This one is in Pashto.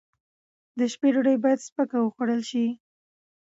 د شپې ډوډۍ باید سپکه وخوړل شي.